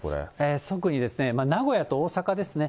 特に名古屋と大阪ですね。